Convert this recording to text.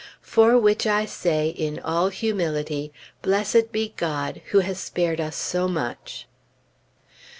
For which I say in all humility, Blessed be God who has spared us so much.